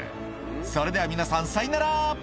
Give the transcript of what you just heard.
「それでは皆さんさいなら」